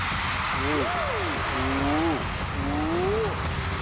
うわ！